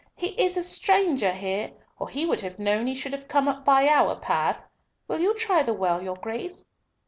He is a stranger here, or he would have known he should have come up by our path! Will you try the well, your Grace?"